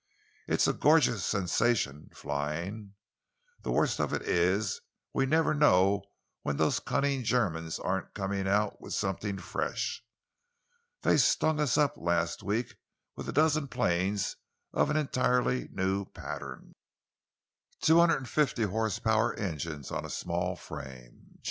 It's a gorgeous sensation, flying. The worst of it is we never know when those cunning Germans aren't coming out with something fresh. They stung us up last week with a dozen planes of an entirely new pattern, two hundred and fifty horse power engines on a small frame.